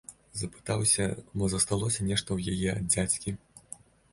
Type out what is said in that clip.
Запытаўся, мо засталося нешта ў яе ад дзядзькі.